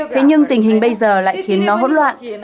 thế nhưng tình hình bây giờ lại khiến nó hỗn loạn